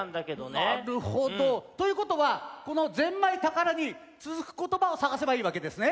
なるほど。ということはこの「ぜんまい宝」につづくことばをさがせばいいわけですね。